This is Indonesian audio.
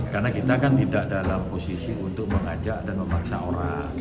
karena kita kan tidak dalam posisi untuk mengajak dan memaksa orang